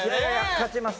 勝ちます。